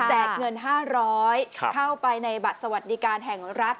เงิน๕๐๐เข้าไปในบัตรสวัสดิการแห่งรัฐ